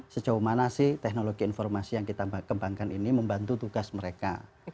sejauh mana sih teknologi informasi yang kita kembangkan ini membantu tugas mereka